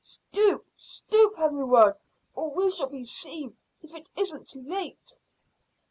Stoop, stoop, every one, or we shall be seen, if it isn't too late."